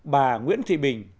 bà nguyễn thị bình